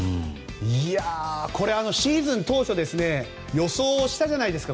これはシーズン当初予想したじゃないですか。